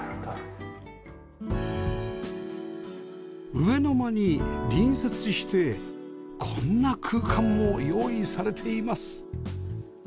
上の間に隣接してこんな空間も用意されています